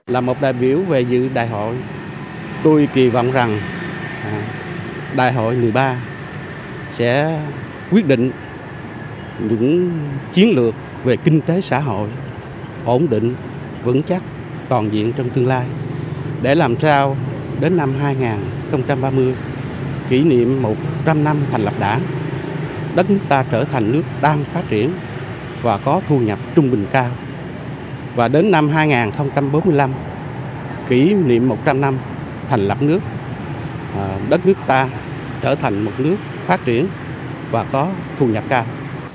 gần một sáu trăm linh đại biểu tham dự đại hội mang theo kỳ vọng gửi gắm của nhân dân cả nước vào những quyết sách đúng đắn mạnh mẽ sáng suốt của đảng